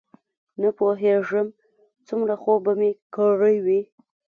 نه پوهېږم څومره خوب به مې کړی وي.